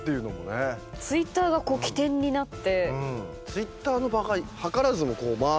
Ｔｗｉｔｔｅｒが基点になって。